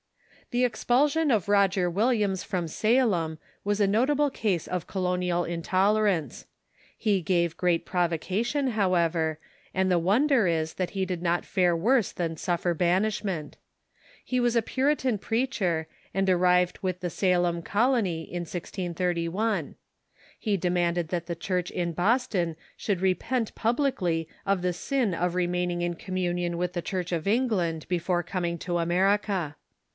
The expulsion of Roger Williams from Salem was a nota ble case of colonial intolerance. He gave great provocation, however, and the wonder is that he did not fare Banishment of ^y^y^Q than Suffer banishment. He Avas a Puritan Roger Williams preacher, and arrived with the Salem Colony in 1631. He demanded that the Church in Boston should re pent publicly of the sin of remaining in communion with the Church of England before coming to America.